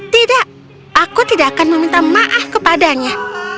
tidak aku tidak akan meminta maaf kepadanya